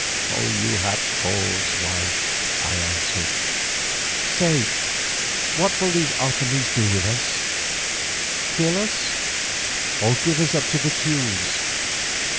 "You have cause, wife," I answered. "Say, what will these Otomies do with us—kill us, or give us up to the Teules?"